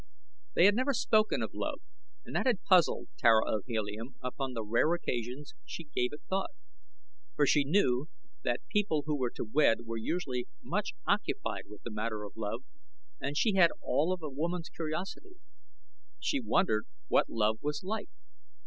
They had never spoken of love and that had puzzled Tara of Helium upon the rare occasions she gave it thought, for she knew that people who were to wed were usually much occupied with the matter of love and she had all of a woman's curiosity she wondered what love was like.